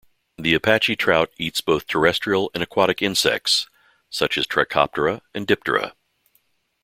The Apache trout eats both terrestrial and aquatic insects, such as Trichoptera and Diptera.